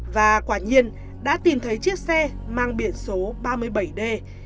và quả nhiên đã tìm thấy chiếc xe mang biển số ba mươi bảy d chín mươi nghìn hai trăm bốn mươi ba